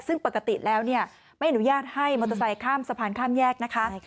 ซึ่งปกติแล้วไม่อนุญาตให้มอเตอร์ไซค์ข้ามสะพานข้ามแยกนะคะ